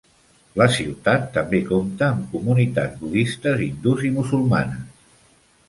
La ciutat també compta amb comunitats budistes, hindús i musulmanes.